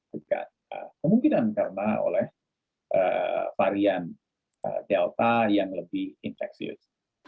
juga kemungkinan karena oleh varian delta yang lebih infeksius